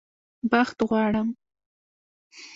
بخت غواړم